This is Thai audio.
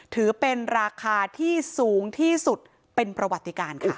ถือเป็นราคาที่สูงที่สุดเป็นประวัติการค่ะ